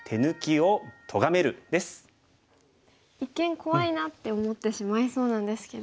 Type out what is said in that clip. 一見怖いなって思ってしまいそうなんですけど。